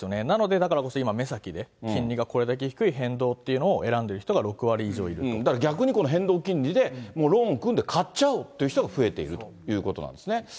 だからこそ、今、目先で金利がこれだけ低い変動っていうのを選んでいる人が６割以だから逆にこの変動金利で、もうローン組んで、買っちゃおうという人が増えているということなんですね。